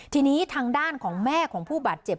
ทีนี้ทางด้านของแม่ของผู้บาดเจ็บ